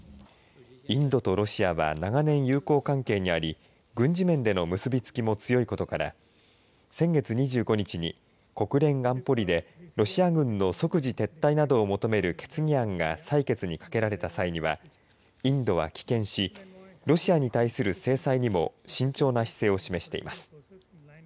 インドとロシアは長年友好関係にあり軍事面での結びつきも強いことから先月２５日に国連安保理でロシア軍の即時撤退などを求める決議案が採決にかけられた際にはインドは棄権しロシアに対する制裁にも慎重な姿勢を示しています。